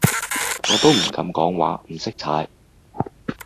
我都唔敢話唔識踩